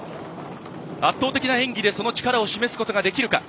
圧倒的な演技でその力を示すことができるか。